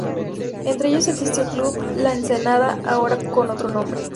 Entre ellos existió el Club La Ensenada, ahora con otro nombre.